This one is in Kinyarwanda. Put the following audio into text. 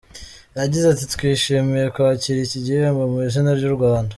Yagize ati “Twishimiye kwakira iki gihembo mu izina ry’u Rwanda.